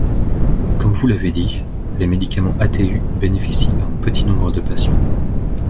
Comme vous l’avez dit, les médicaments ATU bénéficient à un petit nombre de patients.